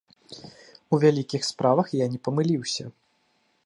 У вялікіх справах я не памыліўся.